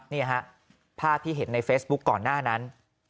นี่ฮะภาพที่เห็นในเฟซบุ๊กก่อนหน้านั้น